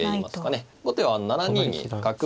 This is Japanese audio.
後手は７二に角を。